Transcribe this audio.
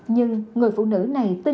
nhưng người phụ nữ này tin